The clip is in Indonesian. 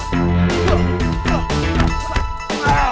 jangan bawa bawa duit gua